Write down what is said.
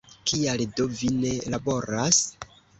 Kial do vi ne laboras?